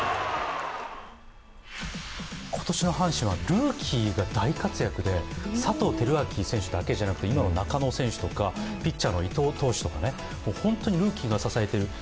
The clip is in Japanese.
今年の阪神はルーキーが大活躍で佐藤輝明選手だけじゃなくて、今の中野選手とか、ピッチャーの伊藤選手とか本当にルーキーが支えている。